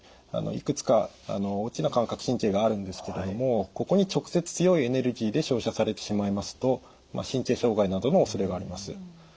いくつか大きな感覚神経があるんですけれどもここに直接強いエネルギーで照射されてしまいますと神経障害などのおそれがあります。